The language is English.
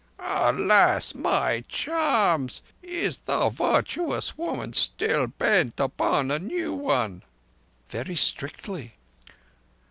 "Alas, my charms! Is the virtuous woman still bent upon a new one?" "Very strictly."